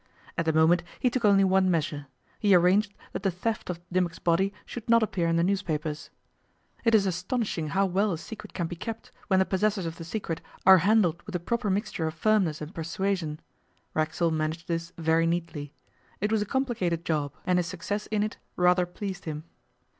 At the moment he took only one measure he arranged that the theft of Dimmock's body should not appear in the newspapers. It is astonishing how well a secret can be kept, when the possessors of the secret are handled with the proper mixture of firmness and persuasion. Racksole managed this very neatly. It was a complicated job, and his success in it rather pleased him.